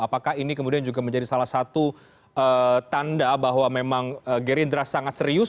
apakah ini kemudian juga menjadi salah satu tanda bahwa memang gerindra sangat serius